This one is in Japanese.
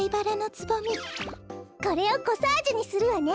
これをコサージュにするわね。